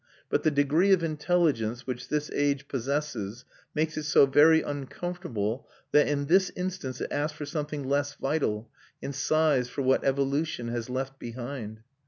But the degree of intelligence which this age possesses makes it so very uncomfortable that, in this instance, it asks for something less vital, and sighs for what evolution has left behind.